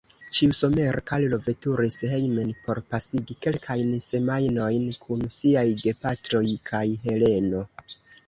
Ĉiusomere Karlo veturis hejmen por pasigi kelkajn semajnojn kun siaj gepatroj kaj Heleno.